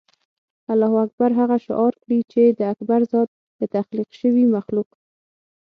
الله اکبر هغه شعار کړي چې د اکبر ذات د تخلیق شوي مخلوق.